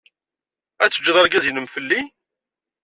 Ad teǧǧed argaz-nnem fell-i?